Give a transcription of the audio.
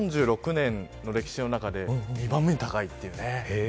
１４６年の歴史の中で２番目に高いというね。